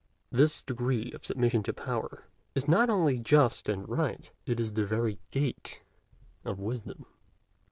This degree of submission to Power is not only just and right: it is the very gate of wisdom.